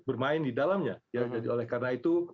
bermain di dalamnya ya jadi oleh karena itu